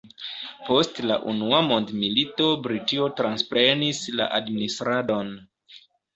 Post la unua mondmilito Britio transprenis la administradon.